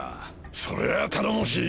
それは頼もしい。